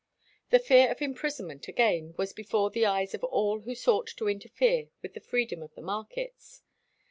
The fear of imprisonment, again, was before the eyes of all who sought to interfere with the freedom of the markets.